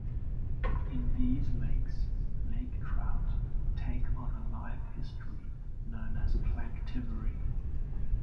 In these lakes, lake trout take on a life history known as planktivory.